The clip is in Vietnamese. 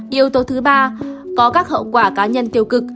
yếu tố thứ ba có các hậu quả cá nhân tiêu cực